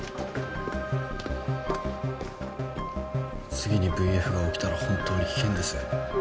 次にＶＦが起きたら本当に危険です。